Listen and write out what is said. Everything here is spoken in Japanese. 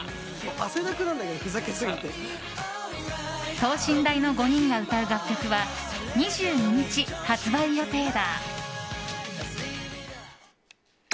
等身大の５人が歌う楽曲は２２日発売予定だ。